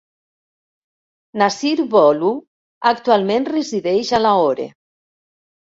Nasir Bholu actualment resideix a Lahore.